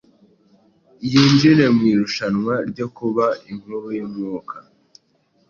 yinjire mu irushanwa ryo kuba inkuru y’umwaka.